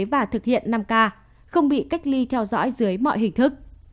và thực hiện năm k không bị cách ly theo dõi dưới mọi hình thức